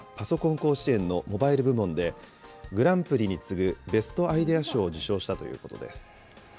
甲子園のモバイル部門で、グランプリに次ぐベストアイデア賞を受賞したということです。